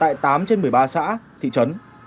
tại tám trên một mươi ba xã thị trấn